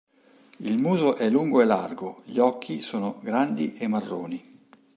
Il muso è lungo e largo, gli occhi sono grandi e marroni.